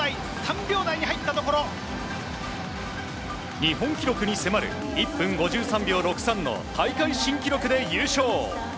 日本記録に迫る１分５３秒６３の大会新記録で優勝。